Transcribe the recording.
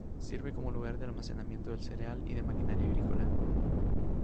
Sirve como lugar de almacenamiento del cereal y de maquinaria agrícola.